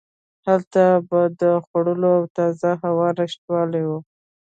هلته به د خوړو او تازه هوا نشتوالی و.